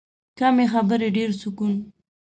کمې خبرې، ډېر سکون.